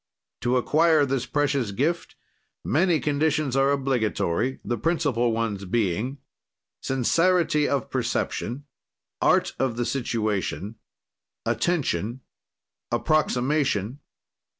"To acquire this precious gift, many conditions are obligatory, the principle ones being: "Sincerity of perception. "Art of the situation. "Attention. "Approximation.